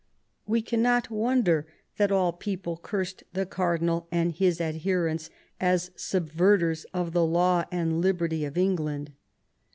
We cannot wonder that "all people cursed the cardinal and his adherents as subver ters of the laws and liberty of England."